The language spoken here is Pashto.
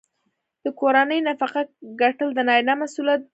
د کورنۍ نفقه ګټل د نارینه مسوولیت دی.